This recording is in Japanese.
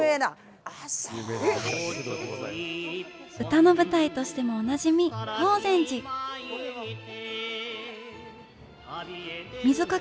歌の舞台としてもおなじみ水掛